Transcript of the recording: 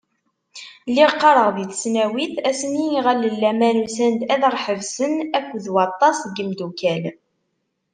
Lliɣ qqareɣ di tesnawit, asmi iɣallen n laman usan-d ad aɣ-ḥebsen akked waṭas n yimeddukkal.